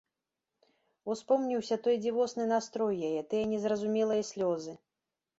Успомніўся той дзівосны настрой яе, тыя незразумелыя слёзы.